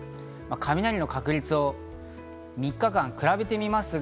雷の確率を３日間比べてみます。